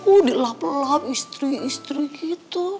udah lap lap istri istri gitu